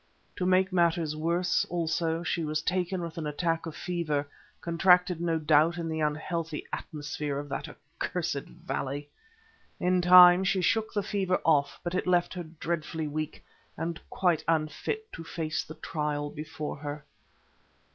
To make matters worse, also, she was taken with an attack of fever, contracted no doubt in the unhealthy atmosphere of that accursed valley. In time she shook the fever off, but it left her dreadfully weak, and quite unfit to face the trial before her.